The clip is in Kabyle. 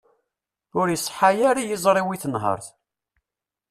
Ur iṣeḥḥa ara yiẓri-w i tenhert.